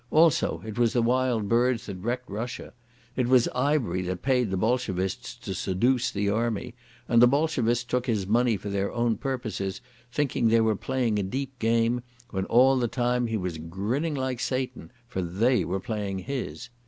Also, it was the Wild Birds that wrecked Russia. It was Ivery that paid the Bolshevists to sedooce the Army, and the Bolshevists took his money for their own purpose, thinking they were playing a deep game, when all the time he was grinning like Satan, for they were playing his.